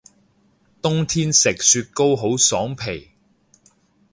冬天食雪糕好爽皮